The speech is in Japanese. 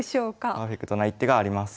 パーフェクトな一手があります。